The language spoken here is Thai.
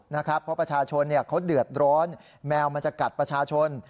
เพราะประชาชนเขาเดือดร้อนแมวมันจะกัดประชาชน